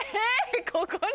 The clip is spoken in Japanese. ここに？